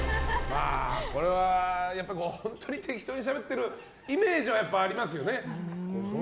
これは、やっぱり本当に適当にしゃべってるイメージはやっぱりありますよね。